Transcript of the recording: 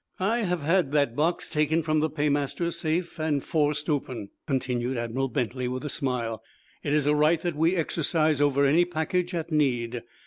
"I have had that box taken from the paymaster's safe and forced open," continued Admiral Bentley with a smile. "It is a right that we exercise over any package at need.